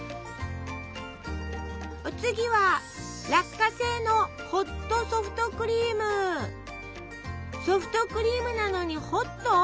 お次はソフトクリームなのにホット？